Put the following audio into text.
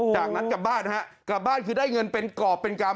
จากนั้นกลับบ้านฮะกลับบ้านคือได้เงินเป็นกรอบเป็นกรรม